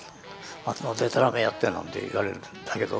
あんなでたらめやって」なんて言われるんだけど。